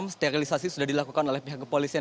sterilisasi sudah dilakukan oleh pihak kepolisian